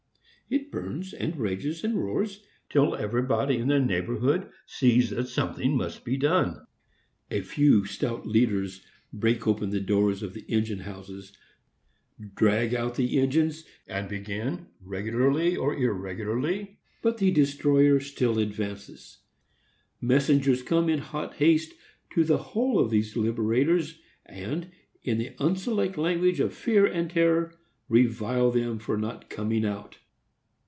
It burns, and rages, and roars, till everybody in the neighborhood sees that something must be done. A few stout leaders break open the doors of the engine houses, drag out the engines, and begin, regularly or irregularly, playing on the fire. But the destroyer still advances. Messengers come in hot haste to the hall of these deliberators, and, in the unselect language of fear and terror, revile them for not coming out.